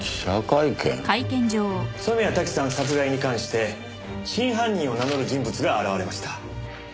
染谷タキさん殺害に関して真犯人を名乗る人物が現れました。